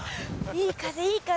いい風いい風。